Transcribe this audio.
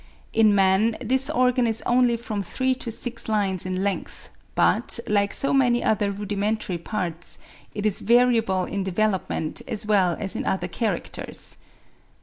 In man this organ is only from three to six lines in length, but, like so many other rudimentary parts, it is variable in development as well as in other characters.)